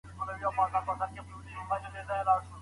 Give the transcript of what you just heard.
که زده کوونکی هدف ولري نو ډیره هڅه کوي.